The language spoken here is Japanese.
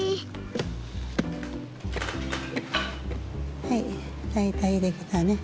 はい大体できたね。